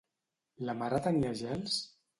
La mare tenia gels?